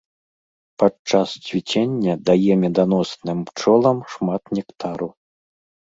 Падчас цвіцення дае меданосным пчолам шмат нектару.